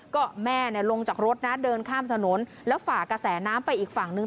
ก็แม่เนี่ยลงจากรถนะเดินข้ามถนนแล้วฝ่ากระแสน้ำไปอีกฝั่งนึง